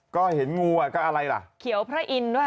ก็เห็นงูอ่ะก็อะไรล่ะเขียวพระอินทร์ด้วย